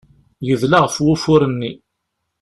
Yedla ɣef wufur-nni.